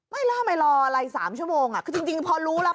ไม่แล้วไม่รออะไรสามชั่วโมงอ่ะคือจริงจริงพอรู้ล่ะ